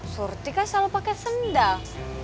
surti kan selalu pakai sendal